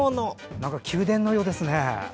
何か宮殿のようですね。